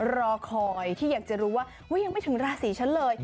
รอคอยที่อยากจะรู้ว่ายังไม่ถึงราศีฉันเลย